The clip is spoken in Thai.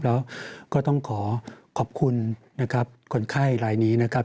แล้วก็ต้องขอขอบคุณนะครับคนไข้รายนี้นะครับ